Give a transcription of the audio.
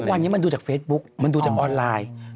วันนี้มันดูจากเฟซบุ๊กมันดูจากออนไลน์